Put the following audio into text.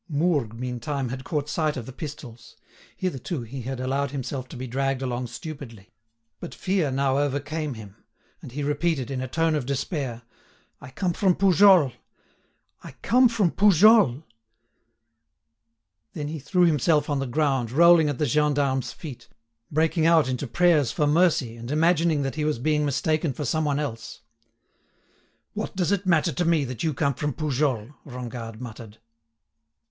Mourgue, meantime, had caught sight of the pistols. Hitherto he had allowed himself to be dragged along stupidly. But fear now overcame him, and he repeated, in a tone of despair: "I come from Poujols—I come from Poujols!" Then he threw himself on the ground, rolling at the gendarme's feet, breaking out into prayers for mercy, and imagining that he was being mistaken for some one else. "What does it matter to me that you come from Poujols?" Rengade muttered.